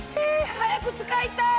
早く使いたい！